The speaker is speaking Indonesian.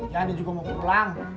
jangan dia juga mau pulang